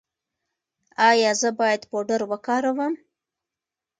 ایا زه باید پوډر وکاروم؟